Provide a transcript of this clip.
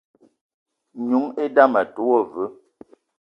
N'noung idame a te wo veu.